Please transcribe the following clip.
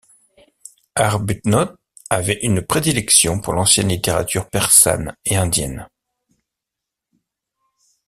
Arbuthnot avait une prédilection pour l'ancienne littérature persane et indienne.